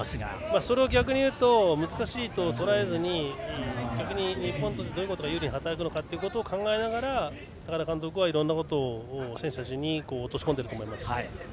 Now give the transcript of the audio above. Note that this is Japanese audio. それは逆に言うと難しいととらえずに逆に日本として、どういうことが有利に働くかを考えながら高田監督はいろいろなことを選手たちに落とし込んでいると思います。